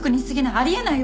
あり得ないよ